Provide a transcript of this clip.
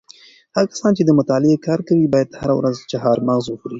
هغه کسان چې د مطالعې کار کوي باید هره ورځ چهارمغز وخوري.